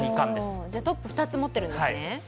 トップ２つ持っているんですね。